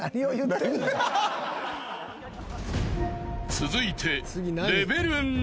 ［続いて］